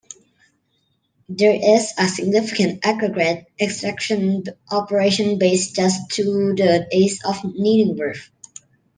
There is a significant aggregate extraction operation based just to the east of Needingworth.